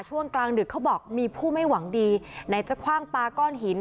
ช่วงกลางดึกเขาบอกมีผู้ไม่หวังดีไหนจะคว่างปลาก้อนหิน